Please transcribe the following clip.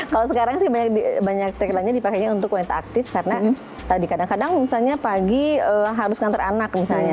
kalau sekarang sih banyak tagline nya dipakainya untuk wanita aktif karena tadi kadang kadang misalnya pagi harus ngantar anak misalnya